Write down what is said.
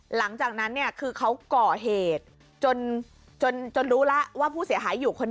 หลังจากนั้นเนี่ยคือเขาก่อเหตุจนรู้แล้วว่าผู้เสียหายอยู่คนหนึ่ง